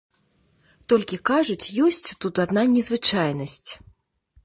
Толькі, кажуць, ёсць тут адна незвычайнасць.